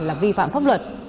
là vi phạm pháp luật